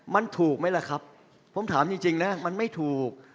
มันถูกไหมล่ะครับผมถามจริงนะมันไม่ถูก